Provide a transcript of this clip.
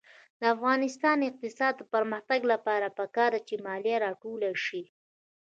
د افغانستان د اقتصادي پرمختګ لپاره پکار ده چې مالیه راټوله شي.